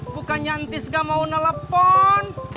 bukannya nanti sega mau nelfon